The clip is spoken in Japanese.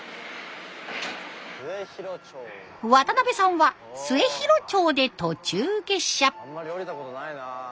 渡辺さんは末広町で途中下車。